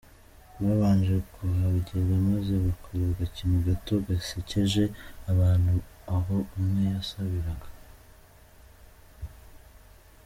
babanje kuhagera maze bakora agakino gato gasecyeje abantu aho umwe yasabiraga.